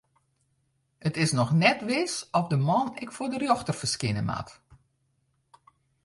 It is noch net wis oft de man ek foar de rjochter ferskine moat.